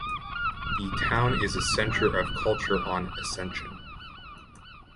The town is a centre of culture on Ascension.